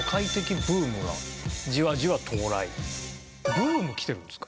ブームきてるんですか？